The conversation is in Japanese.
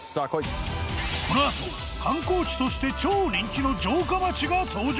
このあと観光地として超人気の城下町が登場！